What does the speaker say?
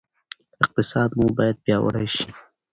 اقتصاد مو باید پیاوړی شي.